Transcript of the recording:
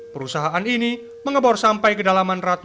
perusahaan ini mengebor sampai kedalaman kabupaten karangasem